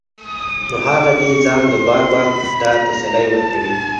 نو هغه دې ځان له بار بار دا تسلي ورکوي